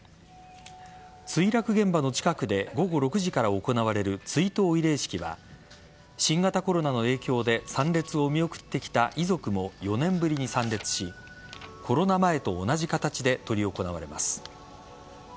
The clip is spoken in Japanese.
墜落現場の近くで午後６時から行われる追悼慰霊式は新型コロナの影響で参列を見送ってきた遺族も４年ぶりに参列しコロナ前と同じ形で執り行われます。